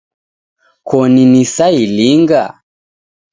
Koni nisailinga